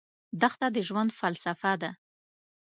دښته د ژوند فلسفه ده.